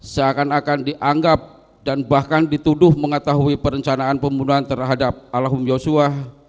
seakan akan dianggap dan bahkan dituduh mengetahui perencanaan pembunuhan terhadap almarhum yosua